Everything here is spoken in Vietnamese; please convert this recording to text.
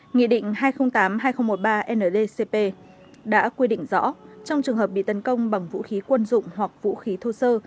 nghị định hai trăm linh tám hai nghìn một mươi ba ndcp đã quy định rõ trong trường hợp bị tấn công bằng vũ khí quân dụng hoặc vũ khí thô sơ